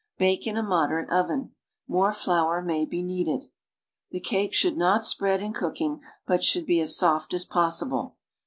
Bake in a moderate oven. More (lour may be needed. The cakes should not spread in cooking but should be as soft as possible.